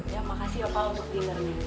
ya makasih ya pak untuk dinnernya